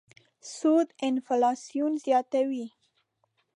سود انفلاسیون زیاتوي.